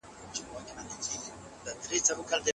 هر ثبت شوی کلیپ پښتو ته د بریا یو نوی زیری دی.